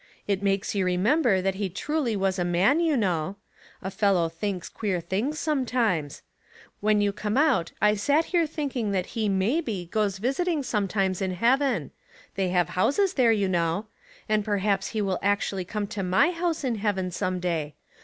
It makes you remember that he truly was a man, you know. A fellow thinks queer things sometimes. 12 i Household Puzzles. When you come out I sat here thinking that he, ma^^be, goes visiting sometimes in heaven — they have houses there, you know ; and perhaps he will actually come to my house in heaven some day.